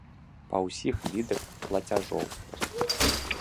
Па ўсіх відах плацяжоў.